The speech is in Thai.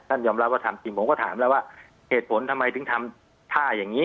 ยอมรับว่าทำจริงผมก็ถามแล้วว่าเหตุผลทำไมถึงทำท่าอย่างนี้